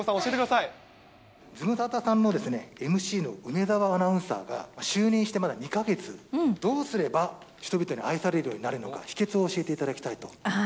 ズムサタさんのＭＣの梅澤アナウンサーが、就任してまだ２か月、どうすれば人々に愛されるようになるのか、秘けつを教えていただきたいと。